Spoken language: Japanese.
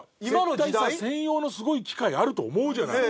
絶対専用のすごい機械あると思うじゃない。